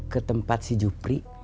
ke tempat si jupri